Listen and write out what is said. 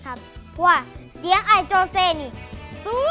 อยากเป็นคุณหมอเป็นพยาบาลอยากเป็นครู